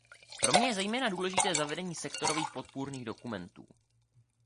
Pro mě je zejména důležité zavedení sektorových podpůrných dokumentů.